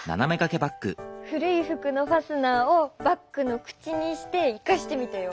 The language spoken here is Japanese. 古い服のファスナーをバッグの口にして生かしてみたよ。